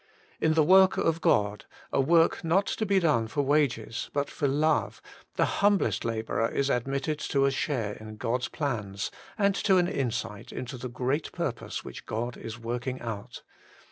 In the work of God, a work not to be done for wages but for love, the humblest labourer is admitted to a share in God's plans, and to an insight into the great pur pose which God is working out.